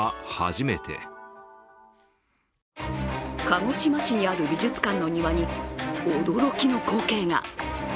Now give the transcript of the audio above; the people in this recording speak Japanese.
鹿児島市にある美術館の庭に驚きの光景が。